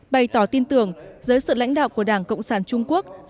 bày tỏ tin tưởng dưới sự lãnh đạo của đảng cộng sản trung quốc